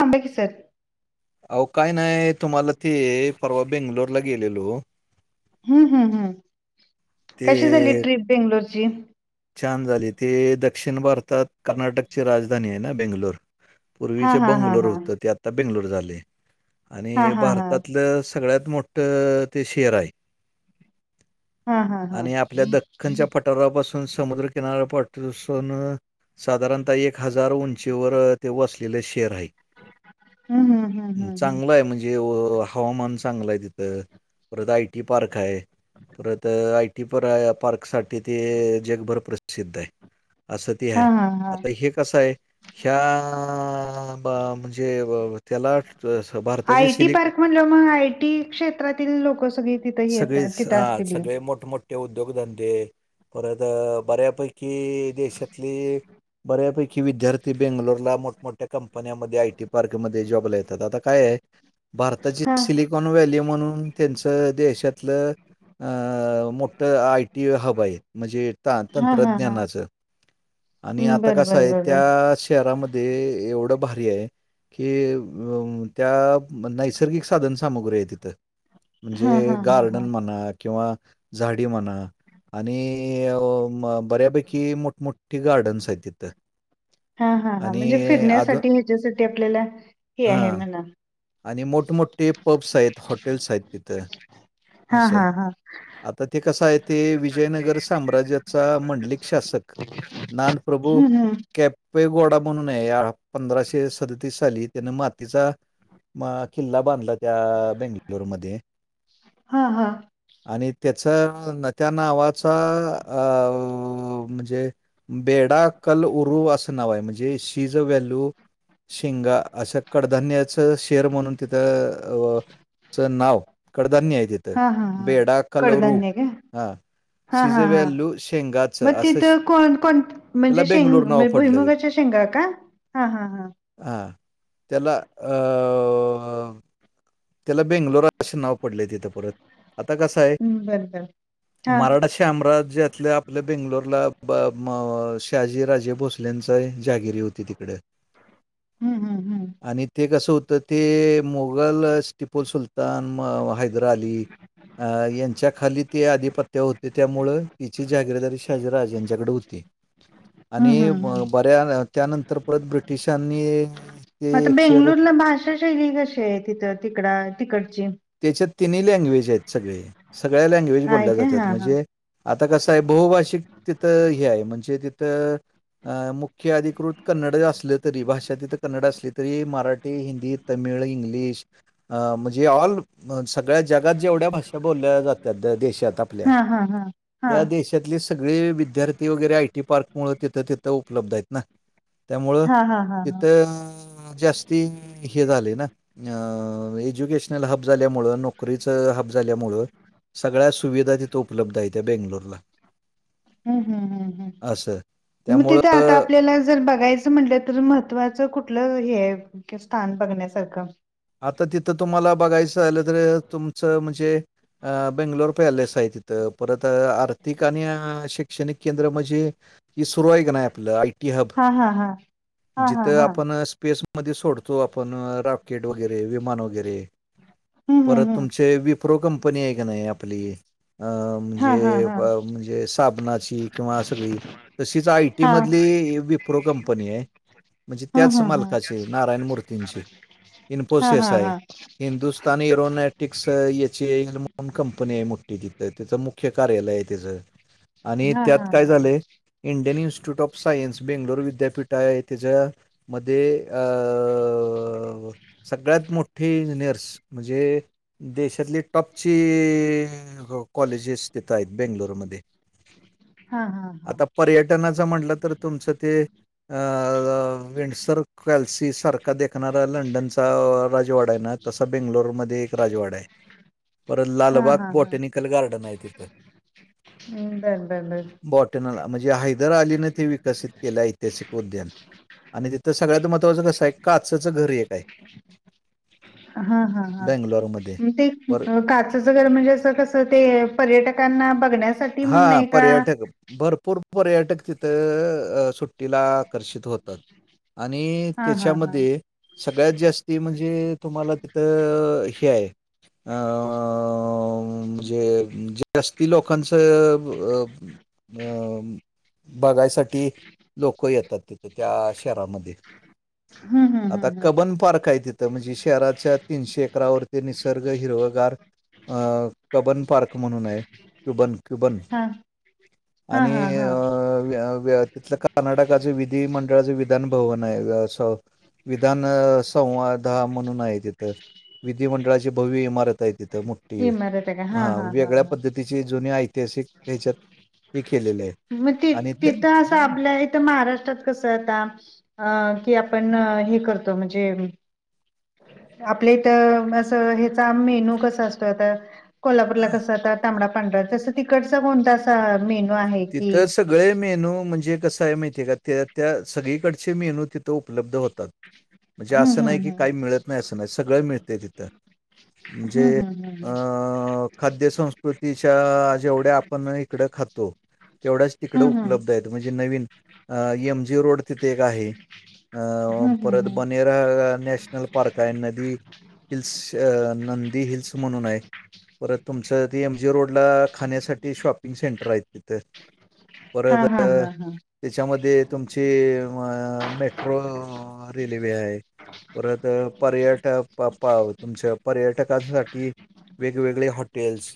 थांबूया की सर. अहो काय नाही, तुम्हाला ते परवा बेंगलोरला गेलेलो. हम्म हम्म हम्म, ते कशी झाली ट्रीप बेंगलोरची. छान झाली. ते दक्षिण भारतात कर्नाटकची राजधानी आहे ना बेंगलोर. हा पूर्वीचे हा हा बंगलोर हा होत. ते आता बेंगलोर झालेय. हा आणि हा हा भारतातलच सगळ्यात मोठ ते शेअर आहे. हा हा हा आणि आपल्या दख्खनच्या पठारापासून समुद्रकिनाऱ्यापासून साधारणतः एक हजार उंचीवर ते वसलेले शेअर आहे. हम्म हम्म हम्म हम्म हम्म. चांगल आहे म्हणजे हे व हवामान चांगलय तिथ. परत आयटी पार्क आहे. परत आयटी पराया पार्क साठी तेथे जगभर प्रसिद्ध आहे. अस ते हा आहे. हा हा आता हे कस आहे. ह्या मा म्हणजे त्याला स भारताची आय टी सिलिक पार्क म्हणल्यावर मग आय टी क्षेत्रातील लोक सगळी तिथं येतात सगळेच तिथं हा असतील सगळे मोठमोठे उद्योगधंदे परत बऱ्यापैकी देशातली बऱ्यापैकी विद्यार्थी बेंगलोरला मोठमोठ्या कंपन्यामध्ये आयटी पार्कमध्ये जॉबला येतात. आता काय आहे. भारताची हा सिलिकॉन व्हॅली म्हणून त्यांच देशातल अ मोठ आय टी हब आहेत. म्हणजे हा, हा हा तंत्रज्ञच आणि आता बर कसं बर आहे बर त्या बर शी ''--'' शहरामध्ये एवढं भारी आहे. कि व त्या नैसर्गिक साधन सामुग्री आहे तिथं. हा म्हणजे हा हा गार्डन हा म्हणा किंवा झाडी म्हणा आणि. हे व बऱ्यापैकी मोठमठी गार्डनस आहेत तिथं. हा हा हा, आणि म्हणजे अजून फिरण्यासाठी ह्याच्यासाठी आपल्याला हे आहे हां म्हणा. आणि मोठमोठे पब्स आहेत हॉटेल्स आहेत तिथं. हा असं. हा हा, आता ते कसं आहे ते विजयनगर साम्राज्याचा मंडलिक शासक. नान प्रभू हम्म हम्म कॅप. पे गोडा म्हणून आहे पंधराशे सदतीस साली त्यान मातीचा. म किल्ला बांधला त्या बेंगलुरूमध्ये. हा हा आणि त्याच त्या नावाचा अ म्हणजे. बेडा कल उरू असं नाव आहे म्हणजे शीज व्हॅल्यू. शिंगा असं कडधान्याचं शेर म्हणून तिथं अ, च नाव कडधान्य आहे तिथं हा हा हा बेडा कलरू कडधान्य का हा, हा हा हा, मग असं श- तिथं कोण कोण त्याला म्हणजे बेंगलोर नाव शेंग पडलंय भुईमगाच्या शे ''--'' शेगा का हा हा हा, हा त्याला अ, त्याला बेंगलोरा अस नाव पडलेथ परत आता कस आहे हम्म, बर बर हा मराठा. श्यामराज्यातल्या आपल्या बेंगलोरला ब म शहाजी राजे भोसले. भोसलेच जागिरी होती तिकड हम्म हम्म हम्म आणि. ते कसं होतं ते मुगल टिपूल सुलतान म व हैदरा अली. हा, यांच्या खाली ते आधिपत्य होते त्यामुळं. यांच्या जहागीरदारी शहाजीराजांकडे होते आणि हम्म हम्म हम्म म पा. [unintelligible] त्यानंतर परत ब्रिटिशांनी ते आता एक शहर बेंगलुरला भाषा शैली कशी आहे तिथ तिकडा तिकडची. त्याच्यात तिन्ही लँग्वेज आहेत सगळे सगळ्या लँग्वेज आहे बोलल्या काय जातात हा हा म्हणजे. आता कसं आहे बहुभाषिक तिथं हे आहे म्हणजे तिथं अ मुख्य. ख अधिकृत कन्नड असलं तरी भाषा तिथ. कन्नड असली तरी मराठी हिंदी तमिळ इंग्लिश म्हणजे ऑल ''--'' अ सगळ्या जगात जेवढ्या भाषा बोलल्या जातात देशात आपल्या हा हा हा हा त्या देश. त्यातले सगळे विद्यार्थी वगैरे आय टी पार्क मुळ तिथं तिथं उपलब्ध आहेत ना. त्यामुळं हा हा हा हा तिथं जास्ती हे झाले ना. एज्युकेशनल हब झाल्यामुळं नोकरीचं हब झाल्यामुळं. सगळ्या सुविधा तिथे उपलब्ध आहेत्या बेंगलोरला. हम हम हम, असं. मग त्यामुळं तिथे आता आपल्याला जर बघायचं. त म्हलं तर महत्त्वाचं कुठलं हे स्थान बघण्यासारखं. आता तिथं तुम्हाला बघायचं झालं तर तुमचं म्हणजे. अ बेंगलोर पॅलेस आहे तिथं परत आर्थिक आणि शैक्षणिक केंद्र म्हणजे. ह सुरू आहे का नाही आपलं आयटी हब हा हा हा हा हा जिथ हा आपण स्पेस. मते सोडतो आपण राकेट वगैरे विमान वगैरे हम्म परत हम्म हम्म तुमचे वेब. प्रो कंपनी आहे का नाही आपली. अ हा म्हणजे हा हा ब म्हणजे साबणाची किंवा सगळी. तशीच आयटी हा मधली ई विप्रो कंपनी आहे. म्हणजे हम्म त्याच हम्म हम्म मालकाची. नारायण मूर्तींची. हा इन्फोसेस हा हाय. हा हिंदुस्तानी रोनेट टिकस याची, [unintelligible] कंपनीय मुठी तिथं. त्याचं मुख्य कार्यालय त्याज. आणि हा त्यात हा काय हा झालंय Indian institute of science Bengaluru विद्यापीठाय. त्याच्यामध्ये अ अ सगळ्यात मोठी इंजिनियर्स. म्हणजे, देशातली टॉपची, कॉलेजेस तिथं यात, बेंगलोरमध्ये हा हा हा आता पर्यटनाच म्हणलं तर, तुमचं ते अ विंसर क्ल्सी सारखा देखणार लंडन अ राजवाडाय ना. तसा बेंगलोरमध्ये एक राजवाडाय. परत हा लालबाग हा हा पोटॅनिक कल गारडनाय तिथ. [unintelligible] बॉटनला. म्हणजे, हैदर अलीने ते विकसित केलंय. ऐतिहासिक उद्यान. आणि तिथं, सगळ्यात महत्वाचं कसाय. काचंचं घर एकाय. हा, हा, हा. बँगलोरमध्ये न अ ते पर काच चं घर म्हणजे कस, ते पर्यटकांना बघण्या हा. पर्यटक भरपूर पर्यटक तिथं, सुट्टीला आकर्षित होतात. आणि हा हा हा त्याच्यामध्ये, सगळ्यात जास्ती म्हणजे तुम्हाला तिथं, हे याय आं जे जास्ती लोकांचं, अ बघायसाठी, लोक येतात तिथे. त्या शहरामध्ये. हम्म हम्म आता हम्म हम्म कबन पार्काय तिथ म्हणजे शहराच्या, तीनशे एकरावरती निसर्ग हिरवगार अ कबन पार्क म्हणूनय. Cuban Cuban. हा हा आणि हा अ हा वे वे तिथलं कर्नाटकाचे विधीमंडळाचे विधान भवनाय, अस. विधान संवादा म्हणूनाय तीथं. विधिमंडळाची भव्य इमारताय तिथ त मुट्टी. इमारत आहे का हा वेगळ्या हा पद्धतीचे जुनी ऐ ह्याच्यात हे केलेलय. मग ति आणि त्या तिथं असं आपल्या इथं, महाराष्ट्रात कसं, आता अ की आपण, हे करतो. म्हणजे आपल्या इथं, असं ह्याचा मेनू कस असतो. आता कोल्हापूरला अ, कसं, आता तांबडा- पांढरा. तसं, तिकडचा कोणता? अस मेनू आहे की तिथं सगळे मेनू म्हणजे, कसाय माहितीय का? त्या - त्या सगळीकडचे मेनू तिथं, उपलब्ध होतात. म्हणजे हम्म असं नाही की, हम्म काही मिळत नाही, असं नाही. सगळं मिळतय तिथं. म्हणजे, हम्म हम्म अ खाद्य संस्कृतीच्या, जेवढ्या आपण इकडं खातो. तेवढ्याच तिकड हम्म हम्म हम्म उपलब्धयत. म्हणजे नवीन, अ एम जी रोड तिथे एक आहे. अ हम्म हम्म परत हम्म बनेरा नॅशनल पार्कय. नदी हिल्स, नंदी हिल्स म्हणूनय. परत तुमचं त एम जी रोड ला, खाण्यासाठी. शॉपिंग सेंटरायत. त. हा परत हा अ हा हा त्याच्यामध्ये तुमची अ मेट्रो रेल्वे आहे. परत पर्यट पा पा तुमच्या पर्यटकांसाठी वेगवेगळे हॉटेल्स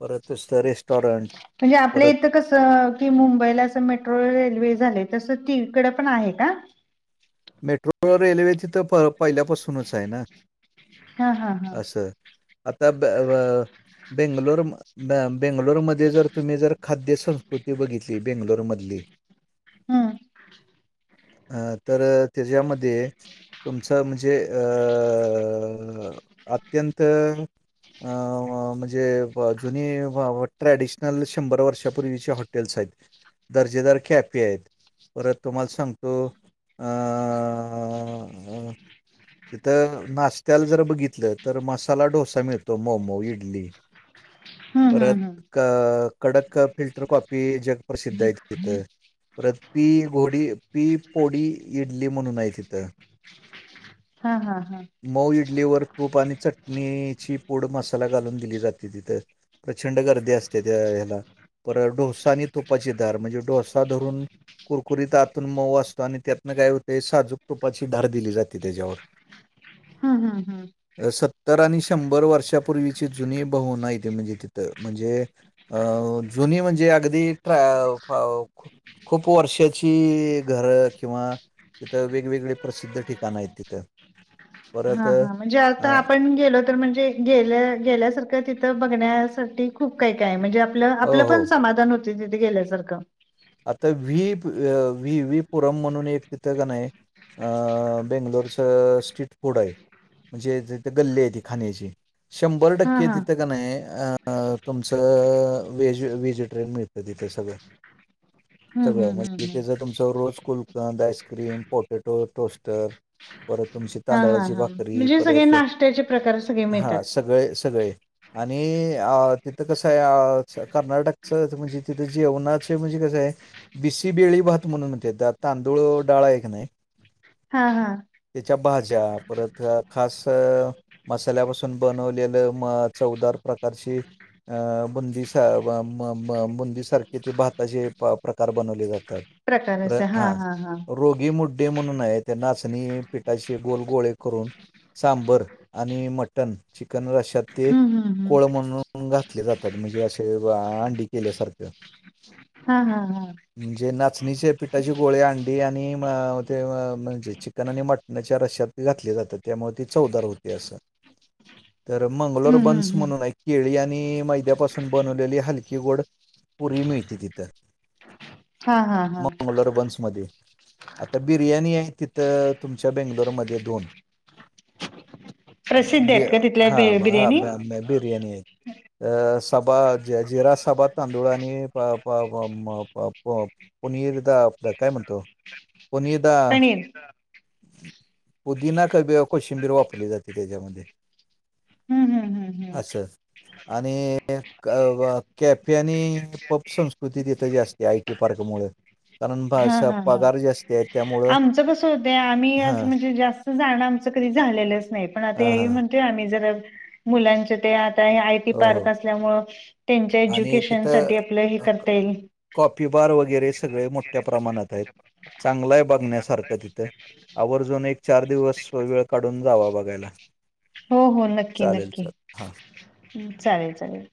परत सत रेस्टॉरंट म्हणजे आपल्या परत इथं कसं की मुंबईला अस मेट्रो रेल्वे झाले तसं तिकड पण आहे का? मेट्रो रेल्वे तिथं प पहिल्यापासूनच आहे ना हा हा हा असं. आता बेंगलोर बेंगलोरमध्ये जर तुम्ही जर खाद्य संस्कृती बघितली बेंगलोरमधली, हम्म अं तर त्याच्यामध्ये तुमचं म्हणजे अअअअ अत्यंत अ म्हणजे जुनी ट्रॅडिशनल शंभर वर्षापूर्वीच्या हॉटेल्स आहेत. दर्जेदार खॅपे आहेत, परत तुम्हाला सांगतो, अ अ अ अ.... तिथं नाशत्याला जर बघितलं तर मसाला डोसा मिळतो, मोमो, इडली, [unintelligible] हम्म परत हम्म हम्म कडक फिल्टर कॉपी जग प्र्रसिद्ध आहे तिथं. परत पी घोडी पी पोडी इडली म्हणून आहे तिथं., हा हा हा. मऊ इडलीवर तूप आणि चटणीची पोड मसाला घालून दिली जाते तिथं. प्रचंड गर्दी असते त्या ह्याला परत डोसा आणि तुपाची धार म्हणजे डोसा धरून कुरकुरीत आतून मऊ असतो आणि त्यात न काय होते साजूप तुपाची धार दिली जाते त्याच्यावर हा हा अ, सत्तर आणि शंभर वर्षापूर्वीची जुनी बहु नाही आहे ते म्हणजे तिथ म्हणजे, अ जुनी म्हणजे अगदी, खूप वर्षाची घरं किंवा, तिथं वेगवेगळे प्रसिद्ध ठिकाणं आहेत तिथं परत हा अ हा म्हणजे आता आपण गेलो, म्हणजे गेल्या गेल्यासारखं तिथ बघण्यासाठी खूप काही काय म्हणजे, आपलं हो आपलं हो. पण समाधान होत तिथे गेल्यासारखं. आता व्ही व्ही व्ही पुरम म्हणून एक तिथं काणय अ बेंगलोरचं स्ट्रीट फूड आहे म्हणजे तिथ गल्ली आहे ती खाण्याची शंभर हां, टक्के हां. तिथं क नाही तुमचं व्हेज व्हेजिटेरियन मिळत. तितंय सगळं. हं, सगळं हं, हं, हं. म्हणजेथे जर तुमचं रोज कुलकंद, आईस्क्रीम, पोटॅटो, टोस्टर, परत तुमची हां, हां, तांदळाची हां. भाकरी म्हणजे सगळे परत नाश्त्याचे प्रकार सगळे हा मिळतात. सगळे सगळे आणि अ तिथं कसं आहे कर्नाटकच म्हणजे तिथं जेवणाच म्हणजे क बिसी बेळी भात म्हणूनेत तांदूळ डाळा एक नाही, हा हा त्याच्या भाज्या परत खास मसाल्यापासून बनवलेलं म चौदार प्रकारची अ बुंदी बुंदी म म म सारखे ते भताजे प्रकार बनवले जातात, प्रकार असे हा हां, हां, हां. रोगी मुड्डे म्हणून आहे ते नाचणी पिठाशी गोलगोळे करून., सांबर आणि मटण चिकन रश्यात ते हं, हं, हं. कोळं म्हणून... घातले जातात... म्हणजे अशे अंडी केल्यासारखं. हा हा हा. म्हणजे नाचणीचे पिठाचे गोळे, अंडी आणि म... ते... ते चिकन आणि मटणाच्या रश्यात. घातले जातात. त्यामुळे ते चौदार होते असं. तर मंगलोर हं, हं, बन्स हं. म्हणून हाय... केळी आणि मैद्यापासून बनवलेली हलकी गोड पुरी मिळते तिथे. हां, हां, हां. मंगलोर बन्समध्ये. आता बिर्याणी आहे तिथं... तुमच्या बेंगलोरमध्ये दोन प्रसिद्ध आहेत का तिथल्या हा बि [inaudible] बिर्याणी? बिरयाणी हाय. अं सबा... जिरासबा तांदुळ अनी [inaudible] पुनीरदा [unintelligible] काय म्हणतो? पुनिरदा. पनीर. पुदीना का [unintelligible] कोशिंबीर वापरली जाते त्याच्यामध्ये. हू हू हू हू. असं आणि [inaudible] केफे आणि पब संस्कृती. हुती तिथं जास्ती... आयटी पार्क मुळं... कारण भा... श... हां, हां, हां. पगार जास्ती हेत. आमचं कसं होतय, आम्ही असं म्हणजे... जास्त जाणं आमचं कधी झालेलंच नई. पण आता हां हे हां विमान -ते आम्ही जर, मुलांचे त्यात आता हे आयटी हो हो पार्क असल्यामुळं... त्यांच्या एज्युकेशन साठी आपलं हे करता येईल. कॉपी बार वगैरे सगळे... मोठ्या प्रमाणात हायेत. चांगलं बघण्यासारखं तिथं... आवर्जून एक चार दिवस वेळ काढून जावा, बघायला हो हो, नक्की चालेल नक्की, चालेल हां चालेल चालेल.